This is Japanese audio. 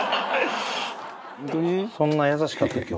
そんな優しかったっけ？